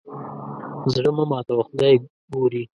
زړه مه ماتوه خدای ګوري.